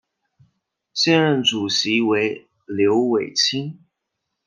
现任主席为刘伟清。